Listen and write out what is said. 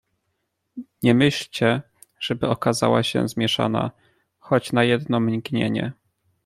"Nie myślcie, żeby okazała się zmieszana, choć na jedno mgnienie."